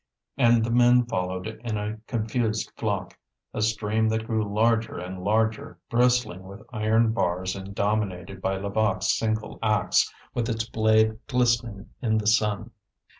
And the men followed in a confused flock, a stream that grew larger and larger, bristling with iron bars and dominated by Levaque's single axe, with its blade glistening in the sun.